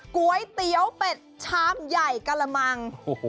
ก๋วยเตี๋ยวเป็ดชามใหญ่กะละมัง